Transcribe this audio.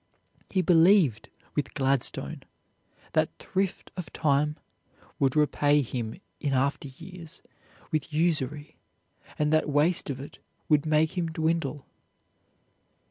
He believed, with Gladstone, that thrift of time would repay him in after years with usury, and that waste of it would make him dwindle.